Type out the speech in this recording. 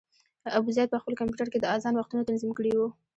ابوزید په خپل کمپیوټر کې د اذان وختونه تنظیم کړي وو.